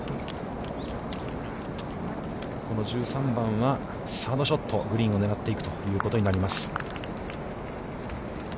この１３番は、サードショット、グリーンをねらっていくということになります。